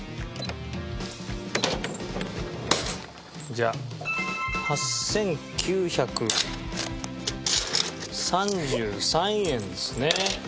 じゃあ８９３３円ですね。